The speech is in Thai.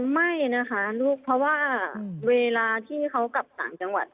ไม่นะคะลูกเพราะว่าเวลาที่เขากลับต่างจังหวัด